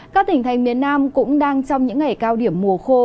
các tỉnh thành miền nam cũng đang trong những ngày cao điểm mùa khô